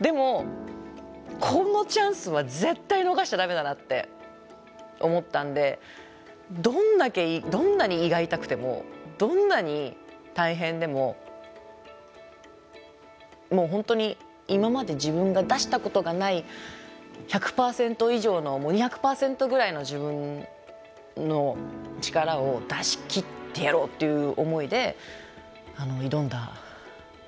でもこのチャンスは絶対逃しちゃ駄目だなって思ったんでどんだけどんなに胃が痛くてもどんなに大変でももう本当に今まで自分が出したことがない１００％以上のもう２００％ぐらいの自分の力を出しきってやろうという思いで挑んだ撮影でした。